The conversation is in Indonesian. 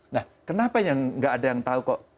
nah kenapa yang nggak ada yang tahu kok